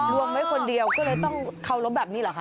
รวมไว้คนเดียวก็เลยต้องเคารพแบบนี้เหรอคะ